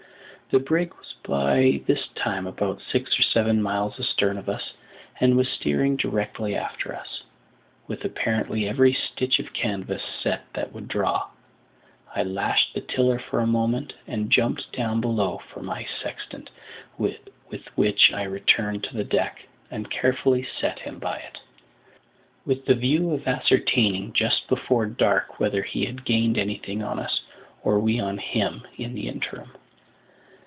The brig was by this time about six or seven miles astern of us, and was steering directly after us, with apparently every stitch of canvas set that would draw. I lashed the tiller for a moment, and jumped down below for my sextant, with which I returned to the deck, and carefully set him by it, with the view of ascertaining just before dark whether he had gained anything on us, or we on him, in the interim.